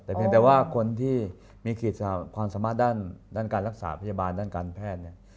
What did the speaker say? แต่เพียงแต่ว่าคนที่มีขีดความสามารถด้านการรักษาพยาบาลด้านการแพทย์เนี่ย